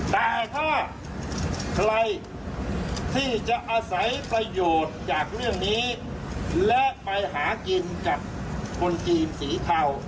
แต่ถ้าใครที่จะอาศัยประโยชน์จากเรื่องนี้และไปหากินกับคนจีนสีเทา